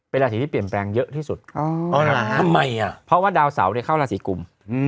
เป็นราศีที่เปลี่ยนแปลงเยอะที่สุดทำไมอ่ะเพราะว่าดาวเสาร์เข้าราศีกุม